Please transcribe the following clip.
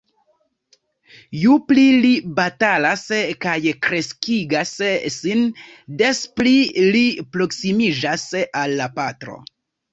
Ju pli li batalas kaj kreskigas sin, des pli li proksimiĝas al la patro.